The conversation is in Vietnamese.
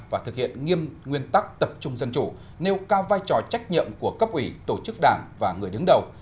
và thực hiện nghiêm nguyên tắc tập trung dân chủ nêu cao vai trò trách nhiệm của cấp ủy tổ chức đảng và người đứng đầu